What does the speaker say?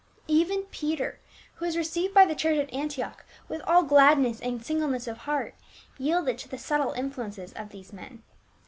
Even Peter, who was received by the church at Antioch with all gladness and singleness of heart, yielded to the subtle influence of these men.